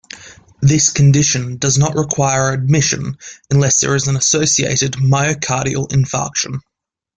This condition does not require admission unless there is an associated myocardial infarction.